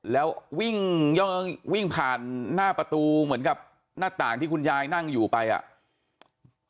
แล้ววิ่งย่องวิ่งผ่านหน้าประตูเหมือนกับหน้าต่างที่คุณยายนั่งอยู่ไปอ่ะ